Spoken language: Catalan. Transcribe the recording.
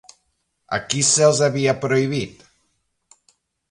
A qui se'ls havia prohibit?